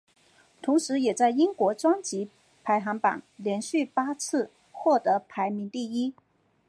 同时也在英国专辑排行榜连续八次获得排名第一。